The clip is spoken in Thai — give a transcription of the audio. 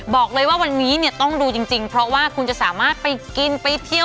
บอกเลยว่าวันนี้เนี่ยต้องดูจริงเพราะว่าคุณจะสามารถไปกินไปเที่ยว